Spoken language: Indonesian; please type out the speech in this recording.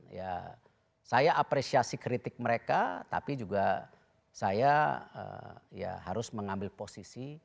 ya saya apresiasi kritik mereka tapi juga saya ya harus mengambil posisi